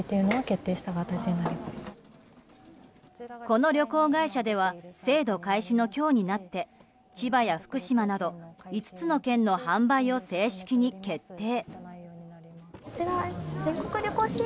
この旅行会社では制度開始の今日になって千葉や福島など５つの県の販売を正式に決定。